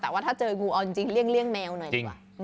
แต่ว่าถ้าเจองูเอาจริงเลี่ยงแมวหน่อยดีกว่า